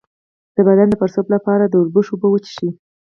د بدن د پړسوب لپاره د وربشو اوبه وڅښئ